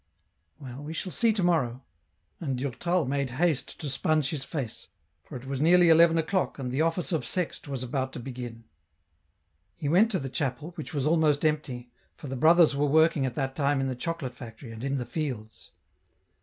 " Well, we shall see to morrow ;" and Durtal made haste to sponge his face, for it was nearly eleven o'clock and the office of Sext was about to begin. He went to the chapel, which was almost empty, for the brothers were working at that time in the chocolate factory, and in the fields.